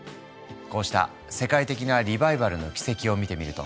こうした世界的なリバイバルの軌跡を見てみると